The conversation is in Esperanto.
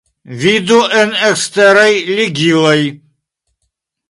Vidu en eksteraj ligiloj.